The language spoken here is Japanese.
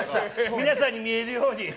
皆さんに見えるように。